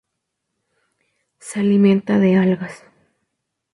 Se alimenta de algas.